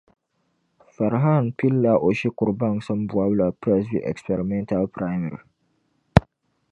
Farihan pilila o shikuru baŋsim bɔbu la Presby Experimental Primary.